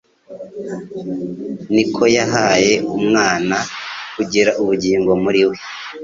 niko yahaye Umwana kugira ubugingo muri we,